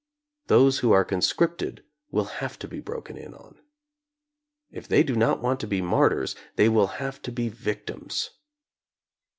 Those who are conscripted will have been broken in on. If they do not want to be martyrs, they will have to be victims.